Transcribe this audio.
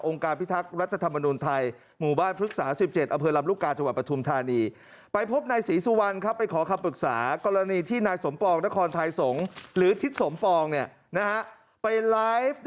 องค์การพิทักษ์รัฐธรรมนุนไทยหมู่บ้านพฤกษา๑๗อเผือลำลูกกาจังหวัดประทุมธานี